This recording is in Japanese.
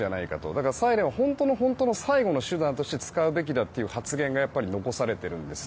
だからサイレンは本当の本当の最後の手段として使うべきだという発言が残されているんです。